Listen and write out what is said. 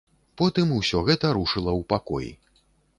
Потым усё гэта рушыла ў пакой.